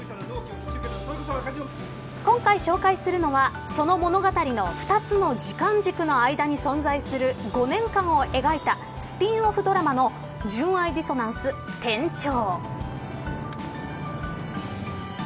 今回紹介するのはその物語の２つの時間軸の間に存在する５年間を描いたスピンオフドラマの純愛ディソナンス・転調。